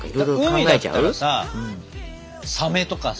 海だったらさサメとかさ。